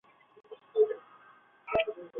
年后正式进入求职高峰